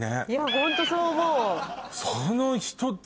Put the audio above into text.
ホントそう思う。